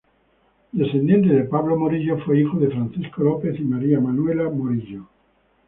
Descendiente de Pablo Morillo, fue hijo de Francisco López y María Manuela Morillo.